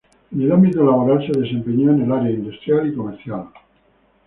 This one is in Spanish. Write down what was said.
En el ámbito laboral, se desempeñó en el área industrial y comercial.